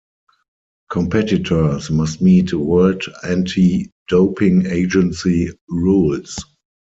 Competitors must meet World Anti-Doping Agency rules.